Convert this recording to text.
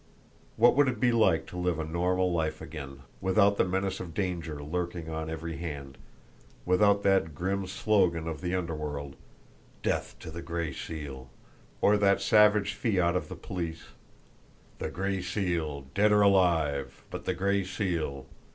What would it be like to live a normal life again, without the menace of danger lurking on every hand, without that grim slogan of the underworld, "Death to the Gray Seal!" or that savage fiat of the police, "The Gray Seal, dead or alive but the Gray Seal!"